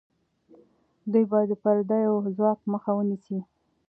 دوی به د پردیو ځواک مخه ونیسي.